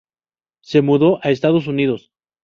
Se mudó a Estados Unidos.